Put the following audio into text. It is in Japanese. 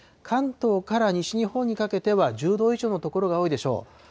関東から西日本にかけては、１０度以上の所が多いでしょう。